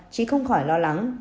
chị không khỏi lo lắng